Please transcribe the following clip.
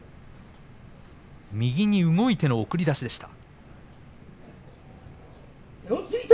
右に動いての送り出しでした。